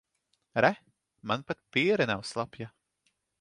Re, man pat piere nav slapja.